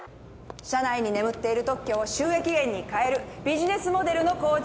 社内に眠っている特許を収益源に変えるビジネスモデルの構築です。